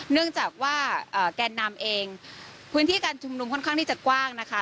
เนื่องจากว่าแกนนำเองพื้นที่การชุมนุมค่อนข้างที่จะกว้างนะคะ